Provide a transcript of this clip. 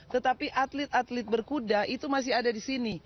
tetapi atlet atlet berkuda itu masih ada di sini